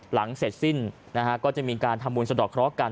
หลังเสร็จสิ้นก็จะมีการทำวนสตอบเคราะห์กัน